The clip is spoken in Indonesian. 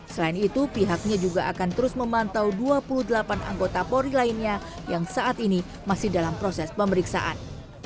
selain itu pihaknya juga akan terus memantau dua puluh delapan anggota polri lainnya yang saat ini masih dalam proses pemeriksaan